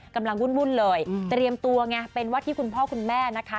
วุ่นเลยเตรียมตัวไงเป็นว่าที่คุณพ่อคุณแม่นะคะ